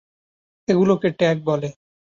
এগুলোকে ট্যাগ বলে।